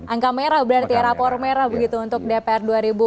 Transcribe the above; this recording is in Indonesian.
angka merah berarti rapor merah begitu untuk dpr dua ribu empat belas dua ribu lima belas